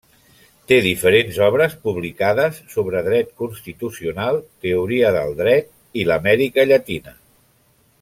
Té diferents obres publicades sobre dret constitucional, teoria del dret i l'Amèrica Llatina.